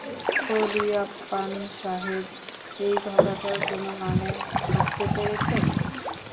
কোলিয়াপ্পান সাহেব, এই কথাটার কোনো মানে বুঝতে পেরেছেন?